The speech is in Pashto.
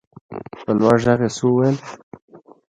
په لوړ غږ يې څه وويل.